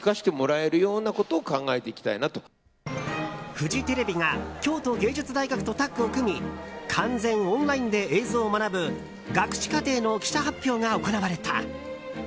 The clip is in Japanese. フジテレビが京都芸術大学とタッグを組み完全オンラインで映像を学ぶ学士課程の記者発表が行われた。